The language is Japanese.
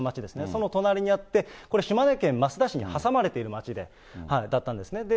その隣にあって、島根県益田市に挟まれている町だったんですね。